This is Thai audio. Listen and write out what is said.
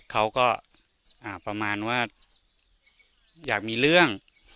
เขาก็ประมาณว่าอยากมีเรื่อง